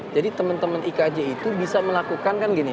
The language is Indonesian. jadi temen temen ikj itu bisa melakukan kan gini